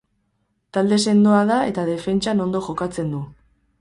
Talde sendoa da eta defentsan ondo jokatzen du.